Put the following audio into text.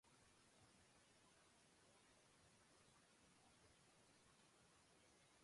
Miembro de la Real y Excma.